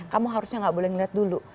kamu harusnya gak boleh ngeliat dulu